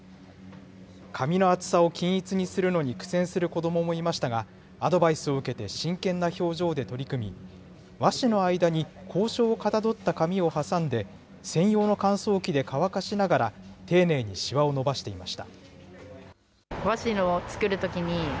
紙の厚さを均一にするのに苦戦する子どももいましたが、アドバイスを受けて、真剣な表情で取り組み、和紙の間に校章をかたどった紙を挟んで、専用の乾燥機で乾かしながら、丁寧にしわを伸ばしていました。